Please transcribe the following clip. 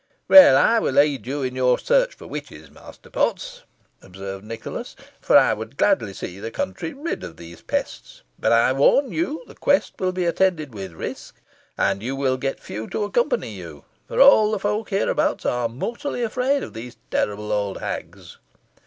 "Well, I will aid you in your search for witches, Master Potts," observed Nicholas; "for I would gladly see the country rid of these pests. But I warn you the quest will be attended with risk, and you will get few to accompany you, for all the folk hereabouts are mortally afraid of these terrible old hags."